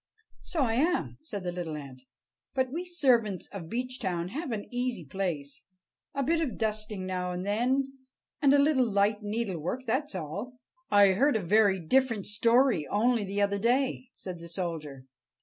"So I am," said the little ant. "But we servants of Beechtown have an easy place. A bit of dusting now and then, and a little light needlework; that's all." "I heard a very different story only the other day," said the soldier.